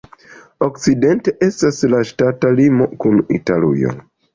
Okcidente estas la ŝtata limo kun Italujo.